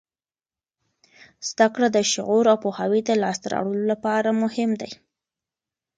زده کړه د شعور او پوهاوي د لاسته راوړلو لپاره مهم دی.